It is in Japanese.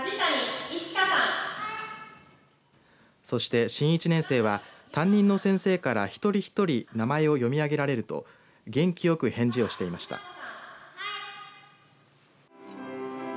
そして新１年生は担任の先生から一人一人名前を読み上げられると元気よく返事をしていました。